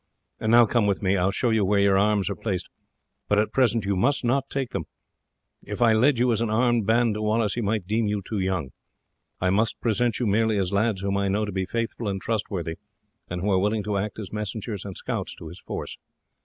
And now come with me. I will show you where your arms are placed; but at present you must not take them. If I led you as an armed band to Wallace he might deem you too young. I must present you merely as lads whom I know to be faithful and trustworthy, and who are willing to act as messengers and scouts to his force."